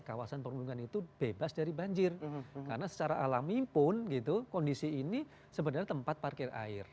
kawasan perundungan itu bebas dari banjir karena secara alami pun gitu kondisi ini sebenarnya tempat parkir air